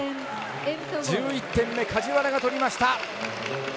１１点目梶原が取りました。